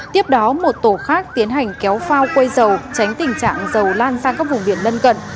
tiếp đó một tổ khác tiến hành kéo phao quay dầu tránh tình trạng dầu lan sang các vùng biển lân cận